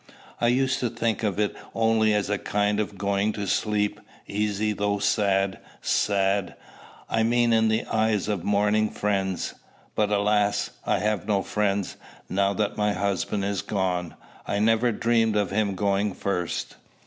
I used to think of it only as a kind of going to sleep, easy though sad sad, I mean, in the eyes of mourning friends. But, alas! I have no friends, now that my husband is gone. I never dreamed of him going first.